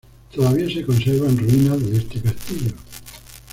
Todavía se conservan ruinas de este castillo.